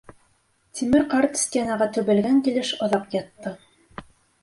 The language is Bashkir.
Тимер ҡарт стенаға төбәлгән килеш оҙаҡ ятты.